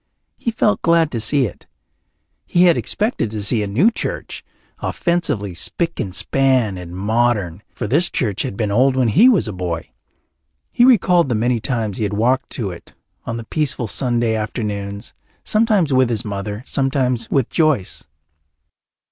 He felt glad to see it; he had expected to see a new church, offensively spick and span and modern, for this church had been old when he was a boy. He recalled the many times he had walked to it on the peaceful Sunday afternoons, sometimes with his mother, sometimes with Joyce.